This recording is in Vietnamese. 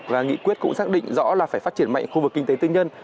và nghị quyết cũng xác định rõ là phải phát triển mạnh khu vực kinh tế tư nhân